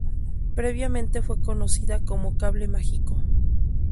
Previamente fue conocida como Cable Mágico.